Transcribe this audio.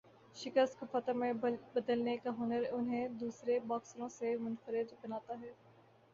شکست کو فتح میں بدلنے کا ہنر انہیں دوسرے باکسروں سے منفرد بناتا ہے۔